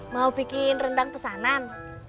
mau bikin rendang pesanan